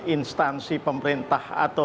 instansi pemerintah atau